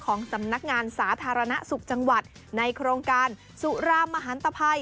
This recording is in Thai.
ของสำนักงานสาธารณสุขจังหวัดในโครงการสุรามมหันตภัย